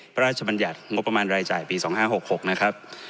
พระราชบัญญัติงบประมาณรายจ่ายปีสองห้าหกหกนะครับ